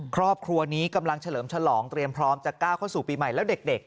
ครอบครัวนี้กำลังเฉลิมฉลองเตรียมพร้อมจะก้าวเข้าสู่ปีใหม่แล้วเด็ก